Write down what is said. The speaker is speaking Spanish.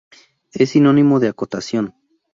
Es sinónimo de acotación.